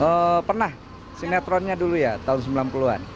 oh pernah sinetronnya dulu ya tahun sembilan puluh an